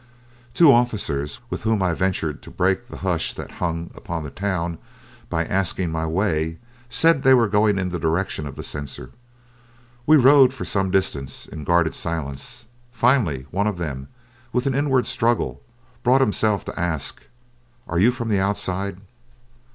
Two officers, with whom I ventured to break the hush that hung upon the town by asking my way, said they were going in the direction of the censor. We rode for some distance in guarded silence. Finally, one of them, with an inward struggle, brought himself to ask, "Are you from the outside?"